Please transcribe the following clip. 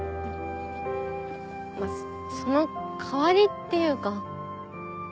その代わりっていうか。